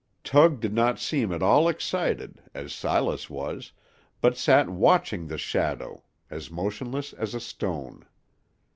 Tug did not seem at all excited, as Silas was, but sat watching the shadow, as motionless as a stone.